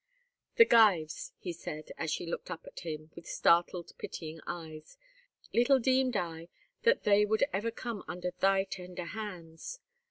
"The gyves," he said, as she looked up at him, with startled, pitying eyes. "Little deemed I that they would ever come under thy tender hands."